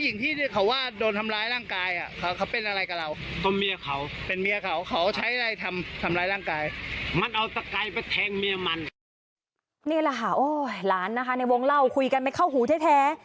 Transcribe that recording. นี่แหละค่ะโอ้ยหลานนะคะในวงเล่าคุยกันไม่เข้าหูแท้